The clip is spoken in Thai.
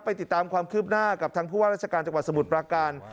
ติดตามความคืบหน้ากับทางผู้ว่าราชการจังหวัดสมุทรปราการ